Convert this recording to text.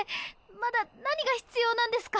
まだ何がひつようなんですか？